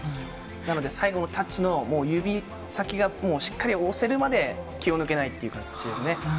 なので、最後のタッチの指先がしっかり押せるまで、気を抜けないっていう感じですね。